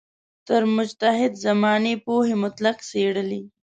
هر مجتهد زمانې پوهې مطابق څېړلې.